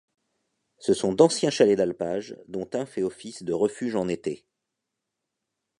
Ce sont d'anciens chalets d'alpage dont un fait office de refuge en été.